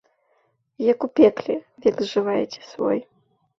Як у пекле, век зжываеце свой.